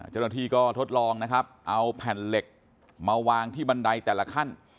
เจ้าหน้าที่ก็ทดลองนะครับเอาแผ่นเหล็กมาวางที่บันไดแต่ละขั้น